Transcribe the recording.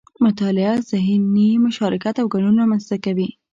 مطالعه ذهني مشارکت او ګډون رامنځته کوي